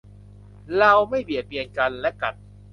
เราไม่เบียดเบียนกันและกัน~